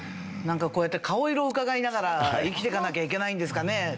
なんかこうやって顔色をうかがいながら生きていかなきゃいけないんですかね？